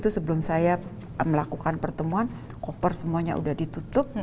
saya melakukan pertemuan koper semuanya udah ditutup